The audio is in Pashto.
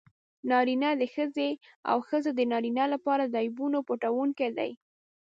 نارینه د ښځې او ښځه د نارینه لپاره د عیبونو پټوونکي دي.